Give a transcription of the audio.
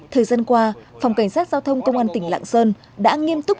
thời gian qua phòng cảnh sát giao thông công an tỉnh lạng sơn đã nghiêm túc